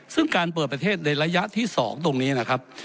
ซึ่งการเปิดประเทศในระยะที่๒ตรงนี้นะครับ